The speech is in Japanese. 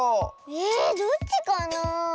えどっちかなあ。